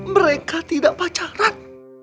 mereka tidak pacaran